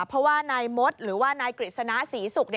เพราะว่านายมดหรือว่านายกฤษณะศรีศุกร์